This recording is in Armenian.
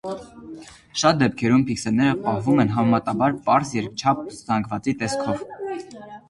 Շատ դեպքերում փիքսելները պահվում են համեմատաբար պարզ երկչափ զանգվածի տեսքով։